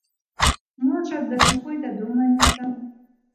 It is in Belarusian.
Можа, да чаго і дадумаецца.